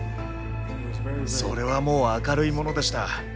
それはもう明るいものでした。